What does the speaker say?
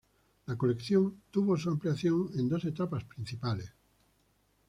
La colección tuvo su ampliación en dos etapas principales.